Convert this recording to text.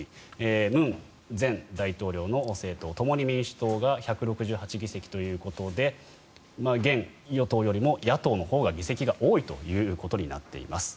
文前大統領の政党、共に民主党が１６８議席ということで現与党よりも野党のほうが議席が多いということになっています。